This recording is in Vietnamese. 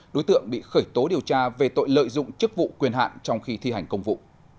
đối tượng bị khởi tố điều tra về tội lợi dụng chức vụ quyền hạn trong khi thi hành công vụ